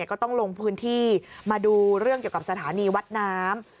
ก็ต้องลงพื้นที่มาดูเรื่องเกี่ยวกับสถานีวัดน้ำ